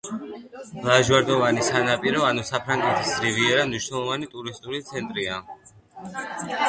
ლაჟვარდოვანი სანაპირო ანუ საფრანგეთის რივიერა მნიშვნელოვანი ტურისტული ცენტრია.